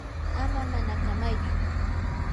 ama manakamaychu.